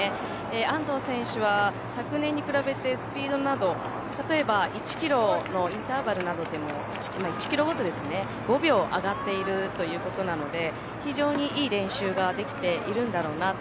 安藤選手は昨年に比べてスピードなど例えば１キロのインターバルなどでも１キロごとですね５秒上がっているということなので非常にいい練習ができているんだろうなって